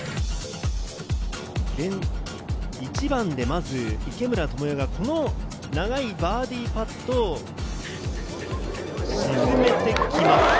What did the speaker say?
一番でまず池村寛世が、この長いバーディーパットを沈めてきます。